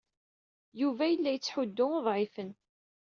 Yuba yella yettḥuddu uḍɛifen.